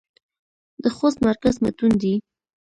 د خوست مرکز متون دى.